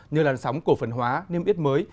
nhờ làn sóng cổ phần hóa niêm yết mới